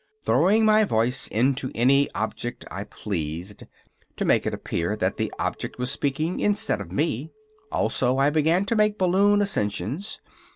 "Throwing my voice into any object I pleased, to make it appear that the object was speaking instead of me. Also I began to make balloon ascensions.